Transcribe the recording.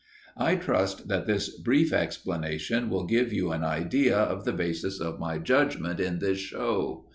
"I trust that this brief explanation will give you an idea of the basis of my judgment in this show.